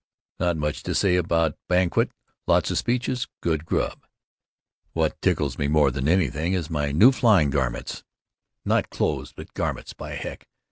Not much to say about banquet, lots of speeches, good grub. What tickles me more than anything is my new flying garments—not clothes but garments, by heck!